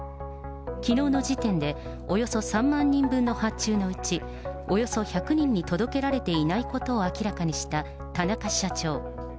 きのうの時点で、およそ３万人分の発注のうち、およそ１００人に届けられていないことを明らかにした田中社長。